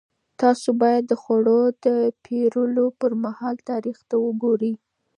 تاسو باید د خوړو د پېرلو پر مهال تاریخ ته وګورئ.